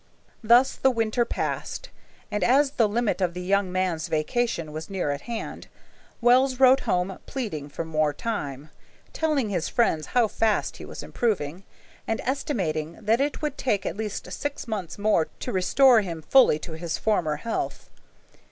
Thus the winter passed, and as the limit of the young man's vacation was near at hand, Wells wrote home pleading for more time, telling his friends how fast he was improving, and estimating that it would take at least six months more to restore him fully to his former health.